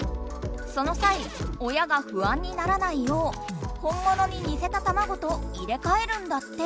そのさい親がふあんにならないよう本物ににせた卵と入れかえるんだって。